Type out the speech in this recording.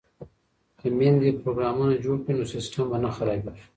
که میندې پروګرامونه جوړ کړي نو سیسټم به نه خرابیږي.